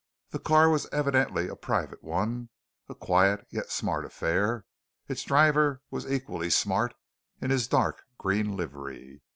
The car was evidently a private one: a quiet, yet smart affair; its driver was equally smart in his dark green livery.